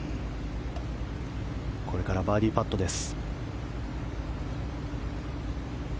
これからバーディーパットです。